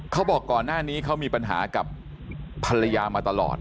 ก่อนหน้านี้เขามีปัญหากับภรรยามาตลอด